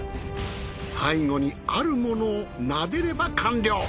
最後にあるものを撫でれば完了。